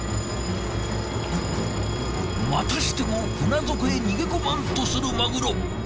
またしても船底へ逃げ込まんとするマグロ。